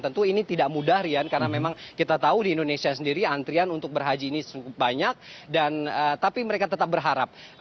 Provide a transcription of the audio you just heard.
tentu ini tidak mudah rian karena memang kita tahu di indonesia sendiri antrian untuk berhaji ini banyak dan tapi mereka tetap berharap